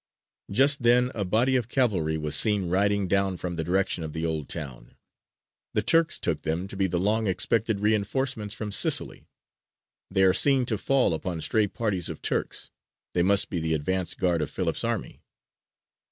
Just then a body of cavalry was seen riding down from the direction of the Old Town. The Turks took them to be the long expected reinforcements from Sicily. They are seen to fall upon stray parties of Turks; they must be the advance guard of Philip's army.